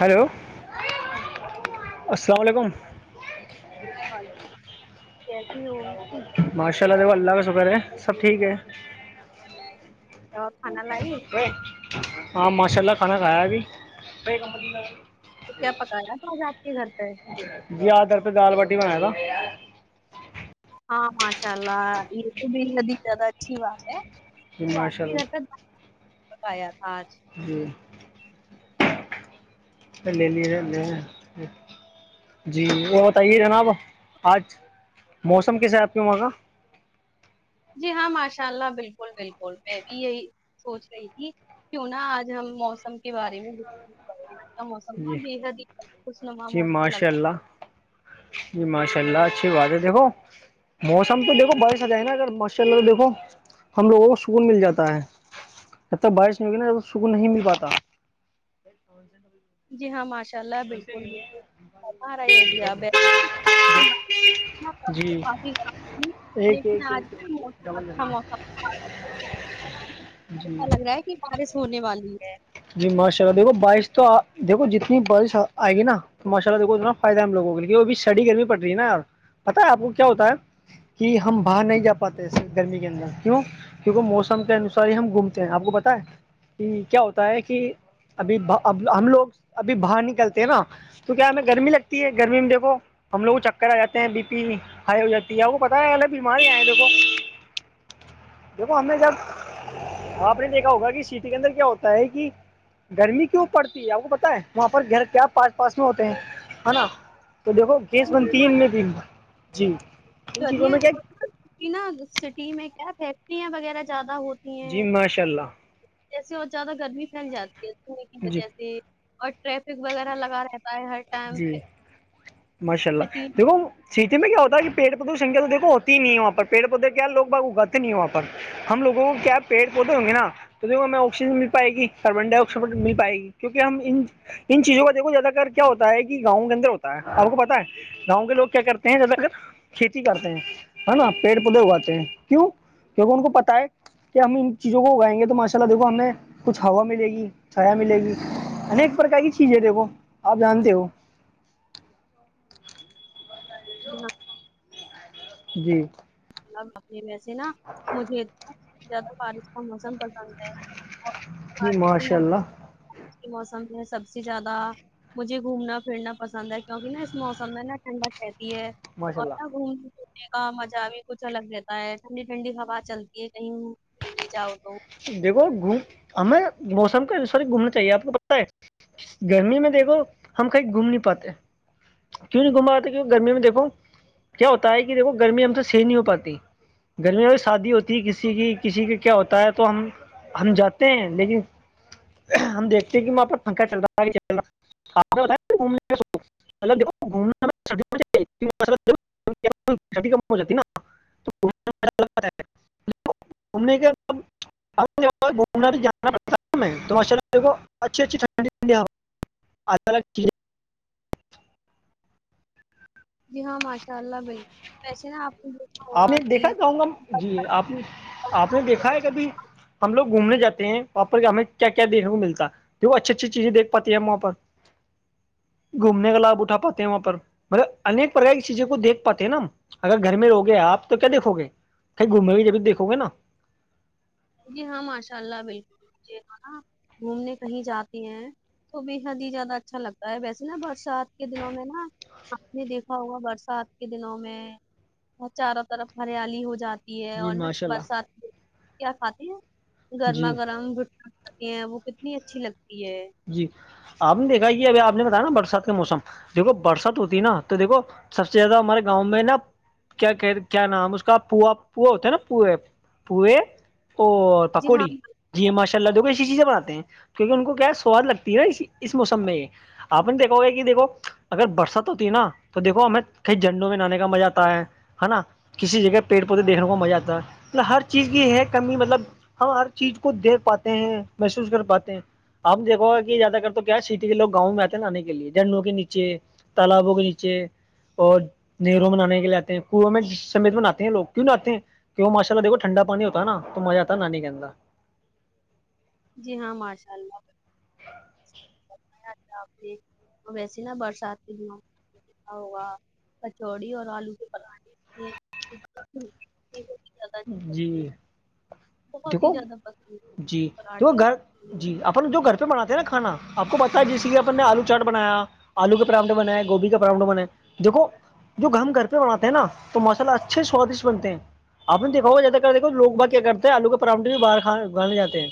Hello ہاں، السلام علیکم ب کیتی ہوں ماشاء اللہ د اللہ کا شکر ہے سب ٹھیک ہے تو کھانا لائی ایک ہاں ماشاء ال کھانا کھایا بھی تو کیا پکایا تھا آج آپ کے گھر پہ جی آدر پ دال باٹی بناائے تھاا ہاں ماشاء اللہ یہ تو بھی ادھی زیادہ اچھی بات جی ماشاء ہے اللہ بتایا آج جی لے لییے ن ل جی وہ بتائیے جناب آج موسم کس ہے آپ کے وہاں کا جی ہاں ماشاء اللہ بالکل بالکل میں بھی یہی سوچ رہی تھی کیوں نہا آج ہم موسم کے بارے میںتے [unintelligible] کا موسم ن جی د کا د خش نوا جی موسم لگ ماشاء رہ اللہ جی ماشاء اللہ اچھی بات ہے دیکھو موسم تو دیکھو بارش آ جائے نا اگر ماشاء اللہ تو دیکھو ہم لوگوں کو سکون مل جاتا ہے اب تک بارش نہیں ہوگ نا تو سکون نہیں مل پاتا تھاز جی ہاں ماشا چل بالکل بکلار آ ہو ج جی آپ فی ایک لیکن ایک آج ایک ایک بھی موسم ڈبل اچھا ڈبل موسم جی ایسا لگ رہا ہے کہ بارش ہونے والی ہے جی ماشاء اللہ دیکھو بارش تو دیکھو جتنی بارش آئے گی نا تو ماشاء اللہ دیکو اتنا فائدہ ہے ہم لوگوں کے لیے وہ بھی سڑی گرمی پ رہی نا پتا ہے آپ کو کیا ہوتا ہے کہ ہم باہر نہیں جا پاتے ایے گرمی کے اندر کیوں کیونکہ موسم کے انوسار ہی ہم گھومتے ہیں آپ کو بتائے کہ کیا ہوتا ہے کہ ابھیب ہم لوگ ابھی باہر نکلتے ہیں نا تو کیا ہمیں گرمی لگتی ہے گرمی میں دیکھو ہم لوگ چکر آ جاتے ہیں بی پی ہائی ہو جاتی ہے کو پتاہ ہے الے بیمار آئے لگو دیکھو ہم نے جبپ نے دیکھا ہوگا کہ سیٹی کے اندر کیا ہوتا ہے کہ گرمی کیوں پڑتی ہے آپ کو بتائے وہاں پر گھر کیا پاس پاس میں ہوتے ہیں ہے نا تو دیکھو گیس جی بند ہم تین میں بھی جی ان چیزوں گرمیاں میں کیا ہو نا سٹی میں کیا فیکٹریاں وغیرہ زیادہ ہوتی جی ماشاء اللہ جیسے اور زیادہ گرمی پھیل جاتی ہےنے کی جی وجہ سے اور ٹریفک وغیرہ لگ رہا جی ماشاء اللہ سٹی دیکھو سیٹی میں کیا ہوتا کہ پیڑ پردوشن کیا تو دیکو ہوتی ہی نہیں ہے وہاں پر پڑ پودے کیا لو بھگ اگاتے نہیں وہاں پر ہم لوگوں کو کیا پیڑ پودے ہوں گے نا تو دیکو ہمیں آکسیجن مل پائے گی کاربن ڈائی آکسائڈ مل پائے گی کیونکہ ہم ان ان چیزوں کا دیکو زیادا کر ہوتا ہے کہ گاؤں کے اندر ہوتا ہے آپ کو پتا ہے گاؤں کے لوگ کیا کرتے ہیں زیادہ تر کھیتی کرتے ہیں ہے نا پیڑ پودے اگاتے ہیں کیوں کیونکہ ان کو پتا ہے کہ ہم ان چیز کو اگائیں گے تو ماشاءلہ دیکو ہم نے کچھ ہوا ملے گی چھایا ملے گی انیک پرکار کی چیزیں دیکھو آپ جانتے ہو جی جی ب اپنے ویسے نا مجھے انا زیادہ بارش کا موسم پسند ہے اور جی بارش ماشاء اللہ آج کے موسم میں سب سے زیادہ مجھے گھومنا پھرنا پسند ہے کیونکہ نا اس موسم میں نا ٹھنڈا رہتی ہے ماشاء اور ن اللہ گھومنے پھرنے کا مزہ بھی کچھ الگ رہتا ہے ٹھنڈی ٹھنڈی ہوا چلتی ہے کہیں پنے جاؤ تو دیکھو گ ہمیں موسم کے ساری گھومنا چاہیے آپ کو پت ہے گرمی میں دیکھو ہم کہیں گھوم نہیں پاتے کیوں نہیں گھم پاتے کی گرمی میں دیکھو کیا ہوتا ہے کہ دیکھو گرمی ہم سے سح نہیں ہو پاتی گرمی میں شادی ہوتی ہے کسی کی کسی کا کیا ہوتا ہے تو ہم ہم جاتے ہیں لیکن ہم دیکھتے ہیں کہ میںاں پر پنکھا چلتا آپ بومنے مطلب د گھومنا ہو جاتی نا تو گومنے کے اب گھومنا جانا پڑتا تو ماشا اللہ اچھی اچھی ٹنینڈ ا جی ہاں ماشاء اللہ بھائی ویسے نا آپ نے دیکھا آپ نے ہوگا کہ دیکھا چاہوں گا جی آپ نے آپ نے دیکھا ہے کبھی ہم لوگ گھومنے جے ہیں وہاں پر کہ ہمیں کیا کیا دیکھنے کو ملتا وہ اچھی اچھی چیزیں دیکھ پاتی ہیں وہاں پر گھومنے کا لابھ اٹھا پاتے ہیں وہاں پر مطلب انیک پرک کی چیزوں کویکھ پاتے ہیں نا ہم اگر گھر میں روگ آپ تو کیا دیکھو گے کہیں گھومے ہوئے جبھی دیکھو گے نا جی ہاں ماشاء اللہ بالکل مجھے ہاں گھومنے کہیں جاتی ہیں تو بے حد ہی زیادہ اچھا لگتا ہے ویسے نا برسات کے دنوں میں نا آپ نے دیکھا ہوا برسات کے دنوں میں ب چاروں طرف ہریالی ہو جاتی ہے جی اور نہ ماشاء اللہ برسات میں کیا کھاتے ہیں جی گرما گرم جٹکٹ کھاتے ہیں وہ کتنی اچھی لگتی ہے جی آپ نے دیکھا ہے یہ ابھی آپ نے بتایا نا برسات کے موسم دیکھو برسات ہوتی نا تو دیکو سب سے زیادہ ہمارے گاؤں میں نا کیا کہتے کیا نام اس کا پوا پوا ہوتا ہے نا پوئے پوئے اور جی ہاں پکوی ماشا اللہ د ایسی چیزیں بناتے ہیں کیونکہ ان کو گیس ہو واد لگتی ہے نا اس اس موسم میں یہ آپ نے دیکھو گے کہ دیکھو اگر برسات ہوتی ہے نا تو دیکھو ہمیں کیں جھنڈوں میں نہے کا مزہ آتا ہے ہے نا کسی جگہ پیڑ پودے دیکھنے کو مزہ آتا ہے مطلب ہر چیز کی ہے کمی مطلب ہم ہر چیز کو دیکھ پاتے ہیں محسوس کر پاتے ہیں آپ دیکو گا کہ زیادہ کر تو کیا ہے سٹی کےوگ گاؤں میں آتے ہیں نا آنے کے لیے جنڈوں کے نیچے تالابوں کے نیچے اور نرو منانے کے لیے آتے ہیں کنواں میں جس سمیت مناتے ہیں لوگ کیوں نہ آتے ہیں کیہ ماشء ال دیکھ ٹھنڈا پانی ہوتا نا تو مزہ آتا نانی کے اندر جی ہاں ماشاء اللہ آپ ویسے نہا برسات اوو کچوڑی اور آلو کے پراٹھے ج جی ہی دیکھو زیادہ پسند جی ہے دیکھو پراٹھے اور گھر کچوڑی۔ جی اپن جو کرھر بناتے ہیں نا کانا آپ کو بتتا ہے جس لی اپ نے آلو چاٹ بنایا آلو کے پراؤھے بنائے گوبھی کا پراؤھے بن دیکو جو ہم گھر پہ بناتے ہیں نا تو مسالہ اچھے سوادشٹ بنتے ہیں آپ نے دکھاؤ زیادہ کر دیکوگ با کیا کرتے ہیں آلو کے پراٹھے بھی باہرھ گانےاتے ہیں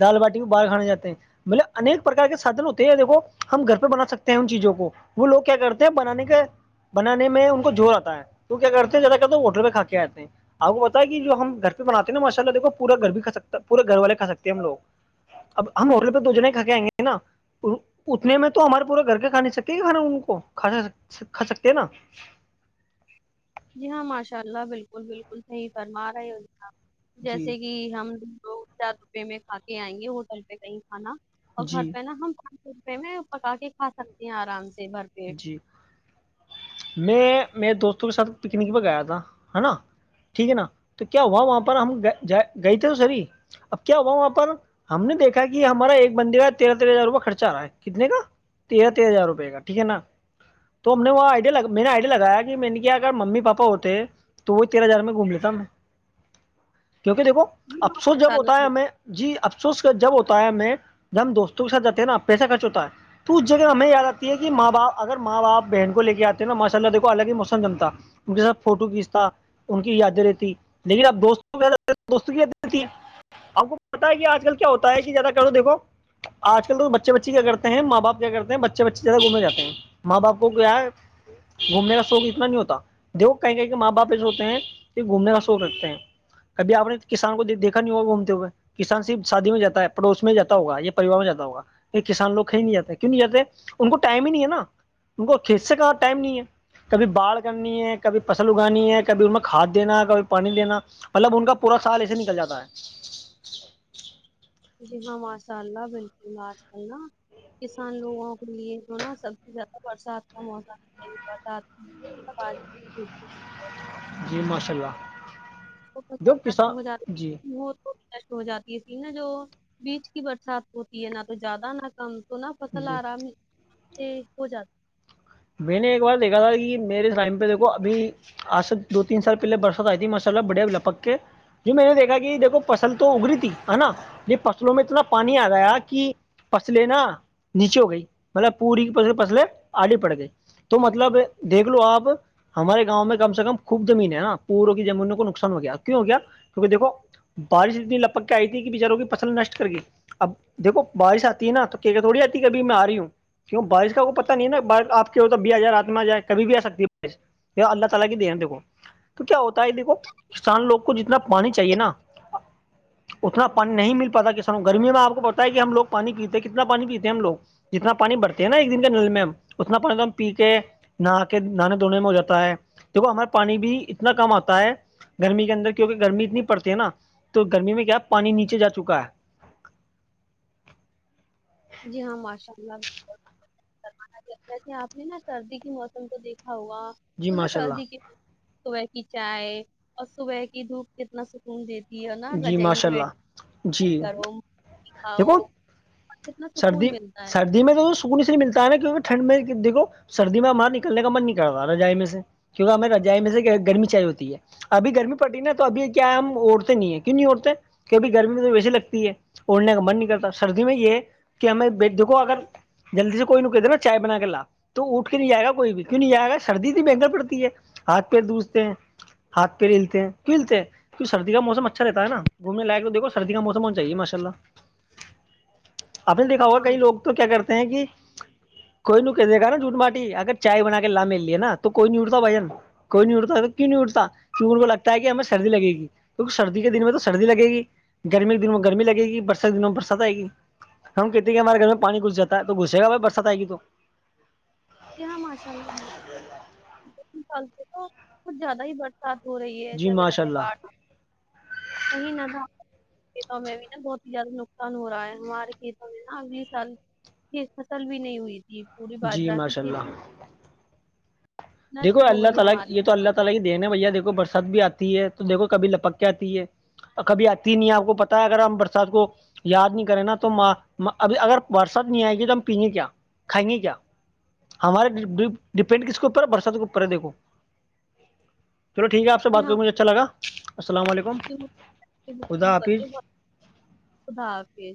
دال باٹی کو باہر کانے جاتے ہیں بطلے ایک پرکار کے سادھن ہوتے ہیں دیکھو ہم گھر پہ بنا سکتے ہیں ان چیزوں کو وہ لوگ کیا کرتے ہیں بنانے کا بنان میں ان کو زور آتا ہے تو کیا کرتے ہیں زیادا کرتے ہوٹل پہ کھا کے آتے ہیں آپ کو پتا ہے کہ جو ہم گ پہ بناتے نا ماشء ال دیکو پورا گھر بھی کھ سکتا پورے گھر والےھا سکتے ہم لوگ اب ہم ہوٹل پہ تو دو جنے کھا کے آئ گے نا اتنے میں تو ہمارے پورا گھر کے کھاے سکتے کھانا ان کو کھا کھا سکتے ہیں نا جی ہاں ماشاء اللہ بالکل بالکل صح فرما رہے ہو صحپ جی جیسے کہ ہم دو چار روپے میں کھا کے آئیں گے ہوٹل پہ کہیں کھانا اور گھر جی پہ نا ہم پانچ سو روپے میں پکا کے کھا سکتے ہیں آرام سے بھر پیٹ جی میں میرے دوستوں کے ساتھ پکنک پ گیا تھا ہے نا ٹھیک ہے نا تو کیا ہوا وہاں پر ہم گئے تھے تو سر ہی اب کیا ہوا وہاں پر ہم نے دیکا کہ ہمارا ایک بندی کا تیرہ تیرہ ہزار روپئے خرچہ آ رہا ہے کتنے کا تیرہ تیرہ ہزار روپئے کا ٹھیک ہے نا تو ہم نے وہ آئیڈیا لگ میں نے آئیڈیا لگایا کہ میں نے کیا اگر ممی پاپا ہوتے تو وہ تیرہ ہزار میں گھوم لیتا کیونکہ دیکھو جی ہاں افسوس جب ماشاء ہوتا اللہ ہے بالکل ہمیں جی افسوس کر جب ہوتا ہے ہم جب ہم دوستوں کے ساتھ جاتے ہیں نا ا پیسہ خرچ ہوتا ہے تو اس جگہ ہمیں یاد آتی ہے کہ جی ماں باپ اگر ماں باپ بہن کو لے کے آتے نا ماشاء اللہ دھو الگ ہی مسم جمتا ان کے ساتھ فوٹو کھینچتا ان کی یادیں رہتی لیکن اب دوستوںہ دوستوں کی یادیں رہتی ہیں ہمپ کو پتا ہے کہ آج کل کیا ہوتا ہے زیادہ کرو دیکو آج کل تو بچے بچے کیا کرتے ہیں ماں با کیا کرتے ہیں بچے بچے زیادہ گھومنے جاتے ہیں ماں باپ کو کیا ہے گھومنے کا شوق اتنا نہیں ہوتا دو کہیں کہیں کہ ماں باپ جو ہوتے ہیں یہ گھومنے کا شوق رکھتے ہیں کبھی آپ نے کس کو دیکھا نہیں ہوگا گھومتے ہوئے کسان صرف شادی میں جاتا ہے پڑوس میں جاتا ہوگ یا پریوار میں جاتا ہوا یہ کسان لوگ کھی ہی نہیں جاتے کیوں نہیں جاتے ان کو ٹائم ہی نہیں ہے نا ان کو کھیت سے کا ٹائم نہیں ہے کبھی باڑھ کرنی ہے کبھی فصل اگانی ہے کبھی اس میں کھاد دینا کبھی پانی دینا مطلب ان کا پورا سال ایسے نکل جاتا ہے جی ہاں ماشاء اللہ بالکل ماجل ن کسان لوگوں کے لیے جو نا سب سے زیادہ برسات کا موسم ہے برسات جٹیک ہے جی ماشاء اللہ جو ہو کسان جاتی جی وہ تو نش ہو جاتی ہے تھی نہا جو بیچ کی برسات ہوتی ہے نہ تو زیادہ نہ ک تو نا فصل جی آرام سے ہو جات میں نے ایک بار دیکھا تھا کہ میرے ٹائم پہ دیکھو ابھی آج سے دو تین سال پہلے برسات آئی تھی ماشاء اللہ بڑے لپک کے جی میں نے دیکھا کہ دیکھو فصل تو اگری تھی ہے نا یہ فصلوں میں اتنا پانی آ گیا کہ پسلے نا نیچے ہو گئی مطلب پوری پسلے آڈھی پڑ گئی تو مطلب دیکھ لو آپ ہمارے گاؤں میں کم سے کم خوب زمینیں ہے نا پورو کی زمینوں کو نقصان ہو گیا کیوں ہو گیا کیونکہ دیکو بارش اتنی لپک کے آئی تھی کہ بچاروں کی فصل نشٹ کر گی اب دیکھو بارش آتی ہے نا تو کیک تھوڑی آتی ہے ابھی میں آ رہی ہوں کیوں بارش کا کو پتا نہیں نا ب آ ہو تو بھییا جائے آاتم آ جائے کب بھی آ سکتی ہے اللہ تعالی کی دین دھو تو کیا ہوتا ہے دیکھو کسان لوگ کو جتنا پانی چاہیے نا اتنا پانی نہیں مل پاتا ک سانوں کو گرمی میں آپ کو پتتا ہے کہ ہم لگ پانی پیتے ہیں کتنا پانی پیتے ہیں ہم لوگ اتنا پانی بھرتے ہے نا ایک دن کے نل میں ہم ایک دم پی کے نہا کے نہانے دھونے میں ہو جاتا ہے دیکھو ہمارا پانی بھی اتنا کم آتا ہے گرمی کے اندر کیونکہ گرمی اتنی پڑتی ہے نا تو گرمی میں کیا پانی نیچے جا چکا ہے جی ہاں ماشاء اللہ انہ جیسے آپ نے نا سردی کے موسم کو دیکھا ہوا جی تو نا ماشاء سردی کے اللہ صبح کی چائے اور صبح کی دھوپ کتنا سکون دیتی جی ہو نہا بجائی ماشاء میں اللہ جی کرو کھاؤ دیکھو کتنا سردی سکون ملتا ہے سردی د تو سکون سے لی ملتا ہےا کیہ ٹھنڈ میں دیکو سردی میں باہ نکنے کا من نہیں کرتا نا جائ میں سے کیکہ ہمیں رجائی میں سے گرمی چاہی ہوتی ہے ابھی گرمی پڑتی نا تو ابھی کیا ہم نہیں ہے کیوں نہیں اڑتے کیبھی گرمی میں تو ویسی لگتی ہے اڑنے کا من نہیں کرتا سردی میں یہ کہ ہمیں بیچ دھو اگر جلدی سے کوئی ن کہ د نا چائے بنا کے لا تو اٹھ کے نہیں جائے گا کوئی بھی کیوں نہیں جائے گا سردی تو بینگل پڑتی ہے ہاتھ پیر دھتے ہیں ہاتھ پہ ملتے ہیں کیوں للتے کیوں سرد سدی کا موم اچھا رہتا ہے نا گھنے لائق تویکھ سری کا موسم ہو چاہیے ماشاء اللہ آپ نے دیکھا ہوگا ہاں کئی لوگ تو کیا کرتے ہیں کہ کوئی ن کہ دےا نا جھوٹ باٹی اگر چائے بنا کے لا مل لیے نا تو کوئی نہیں اٹتا بھن کوئی نہیں اٹتا تو کیوں نہیں اٹتا کیونک ان کو لگتا ہے کہ ہمیں سردی لگےی کیونہ سردی کے دن میں تو سردی لگے گی گرمی کے دن میں گرمی لگےی برسات کے دنوں میں برسات آئے گی ہم کہتے ہیں کہ ہمارے گھر میں پانی گھاتا ہے گھس گ بائی برسات آئے گ تو جی ہاں ماشاء اللہ د سال سے تو کچھ زیادہ ہی برسات ہو رہی ہے جی جگہ ماشاء جگہ اللہ باہ کہیں نہگ کھیتوں میں بھی نا بہت ہی زیادہ نقصان ہو رہا ہے ہمارے کھیتوں میں نا اگلے سال ت فتل بھی نہیں ہوئی تھی پوری جی بازرات ماشاء تھی تھی اللہ ہو گئی ہماری [unintelligible] کبھی آتی نہیں ہے آپ کو پتا ہے اگر ہم برسات کو یاد نہیں کریں نا تو اب اگر برسات نہیں آئے گی تو ہم پیئیں گے کیا کھائیں گے کیا ہمارے ڈیپینڈ کس کو برسات کے اپرے دیکو چلو ٹھیک ہے آپ سے بات کر کے مجھے اچھا لگا السلام علیکم ک یہ خدا حافظ بہت ادار کے